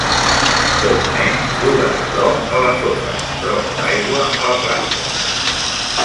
Dos nens juguen a prop a la sorra prop de l'aigua a la platja.